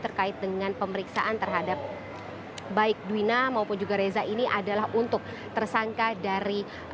terkait dengan pemeriksaan terhadap baik duwina maupun juga reza ini adalah untuk tersangka dari